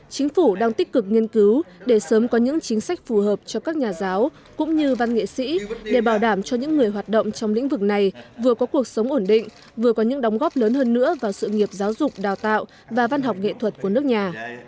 chính phủ đang tích cực nghiên cứu để sớm có những chính sách phù hợp cho các nhà giáo cũng như văn nghệ sĩ để bảo đảm cho những người hoạt động trong lĩnh vực này vừa có cuộc sống ổn định vừa có những đóng góp lớn hơn nữa vào sự nghiệp giáo dục đào tạo và văn học nghệ thuật của nước nhà